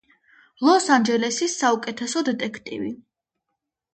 ლოს-ანჯელესის საუკეთესო დეტექტივი.